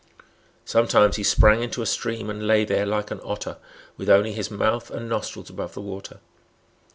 Sometimes he sprang into a stream, and lay there, like an otter, with only his mouth and nostrils above the water.